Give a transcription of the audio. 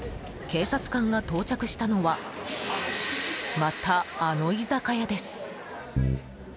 警察官が到着したのはまたあの居酒屋です。